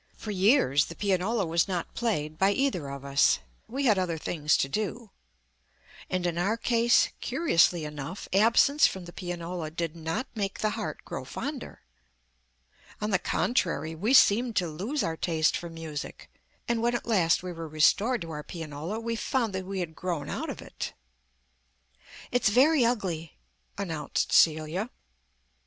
For years the pianola was not played by either of us. We had other things to do. And in our case, curiously enough, absence from the pianola did not make the heart grow fonder. On the contrary, we seemed to lose our taste for music, and when at last we were restored to our pianola, we found that we had grown out of it. "It's very ugly," announced Celia.